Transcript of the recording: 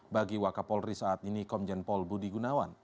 bagi wakapolri saat ini komjen paul budi gunawan